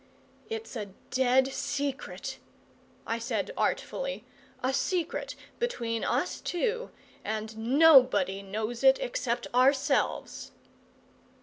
"It's a dead secret," I said artfully. "A secret between us two, and nobody knows it except ourselves!"